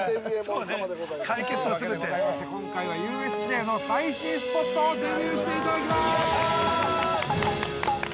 ◆というわけでございまして今回はＵＳＪの最新スポットをデビューしていただきます。